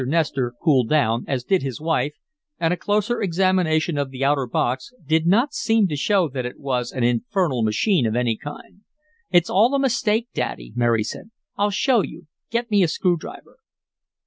Nestor cooled down, as did his wife, and a closer examination of the outer box did not seem to show that it was an infernal machine of any kind. "It's all a mistake, Daddy," Mary said. "I'll show you. Get me a screw driver."